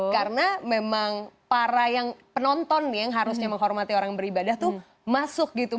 karena memang para penonton yang harusnya menghormati orang beribadah itu masuk gitu